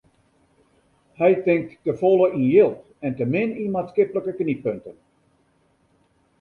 Hy tinkt te folle yn jild en te min yn maatskiplike knyppunten.